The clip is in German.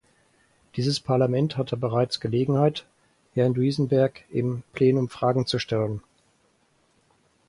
Dieses Parlament hatte bereits Gelegenheit, Herrn Duisenberg im Plenum Fragen zu stellen.